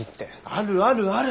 あるあるある。